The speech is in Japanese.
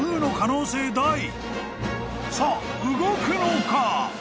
［さあ動くのか！？］